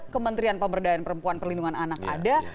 kementerian pemberdayaan perempuan perlindungan anak ada